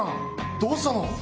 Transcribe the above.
「どうしたの？」